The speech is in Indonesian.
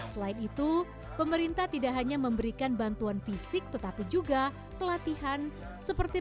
selain itu pemerintah tidak hanya memberikan bantuan fisik tetapi juga pelatihan seperti